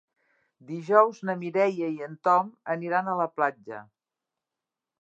Dijous na Mireia i en Tom aniran a la platja.